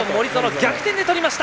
逆転で取りました。